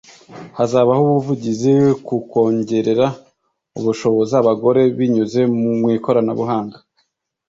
hazabaho ubuvugizi ku kongerera ubushobozi abagore binyuze mu ikoranabuhanga